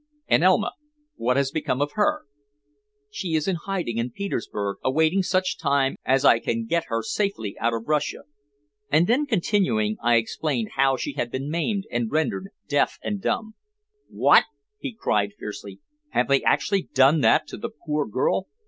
"And Elma? What has become of her?" "She is in hiding in Petersburg, awaiting such time as I can get her safely out of Russia," and then, continuing, I explained how she had been maimed and rendered deaf and dumb. "What!" he cried fiercely. "Have they actually done that to the poor girl?